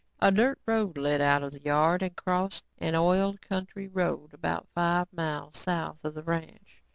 A dirt road led out of the yard and crossed an oiled county road about five miles south of the ranch.